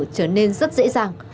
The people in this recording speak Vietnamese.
trở nên rất dễ dàng